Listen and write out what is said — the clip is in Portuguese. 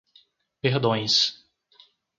Perdões